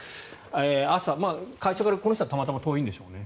朝会社からこの人はたまたま遠いんでしょうね。